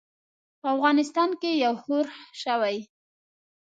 په افغانستان کې یو ښورښ شوی.